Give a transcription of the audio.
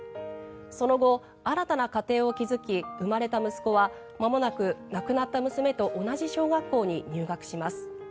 その後、新たな家庭を築き生まれた息子はまもなく亡くなった娘と同じ小学校に入学します。